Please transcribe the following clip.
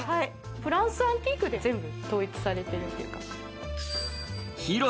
フランスアンティークで全部統一されてるというか。